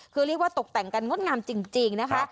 คือเรียกว่าตกแต่งกันงดงามจริงนะคะ